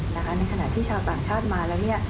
ในขณะที่ชาวต่างชาติมาแล้วเนี่ย